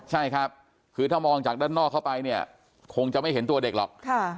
ใช่ครับคือถ้ามองจากด้านนอกเข้าไปเนี่ยคงจะไม่เห็นตัวเด็กหรอก